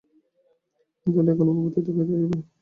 স্নানান্তে এখনই ভূপতি খাইতে আসিবে।